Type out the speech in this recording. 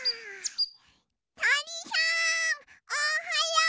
とりさんおはよう！